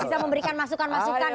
bisa memberikan masukan masukan